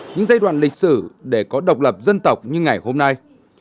những giai đoạn lịch sử để có độc lập dân tộc như ngày hôm nay